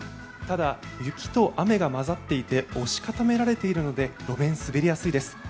ただ、雪と雨が交ざっていて押し固められているので、路面、滑りやすいです。